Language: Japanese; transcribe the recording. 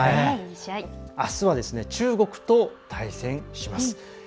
あすは中国と対戦します。